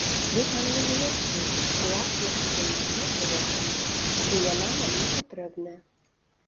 Вы там не жывяце, у вас, магчыма, шмат грошай, і яна вам не патрэбная.